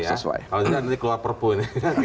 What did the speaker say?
kalau tidak nanti keluar perpun